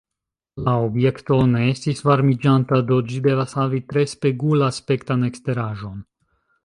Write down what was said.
La objekto ne estis varmiĝanta, do ĝi devas havi tre spegul-aspektan eksteraĵon.